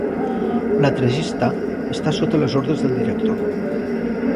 L'attrezzista està sota les ordres del director.